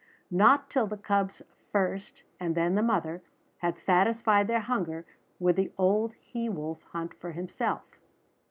Not till the cubs first, and then the mother, had satisfied their hunger would the old he wolf hunt for himself.